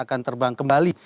akan terbang kembali